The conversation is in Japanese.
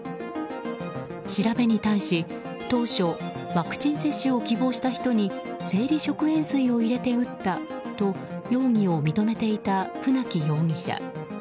調べに対し当初ワクチン接種を希望した人に生理食塩水を入れて打ったと容疑を認めていた船木容疑者。